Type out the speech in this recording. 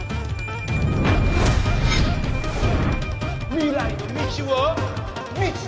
未来の道は未知